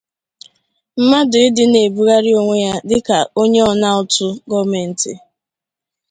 mmadụ ịdị na-ebugharị onwe ya dịka onye ọna ụtụ gọọmenti